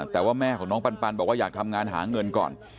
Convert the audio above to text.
แต่ว่าแม่ของน้องปันบอกว่าอยากทำงานหาเงินก่อน